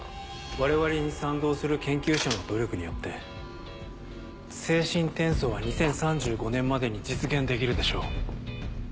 我々に賛同する研究者の努力によって精神転送は２０３５年までに実現できるでしょう。